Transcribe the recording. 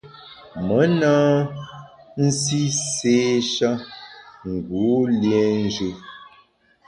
Me na nsi séé-sha ngu liénjù.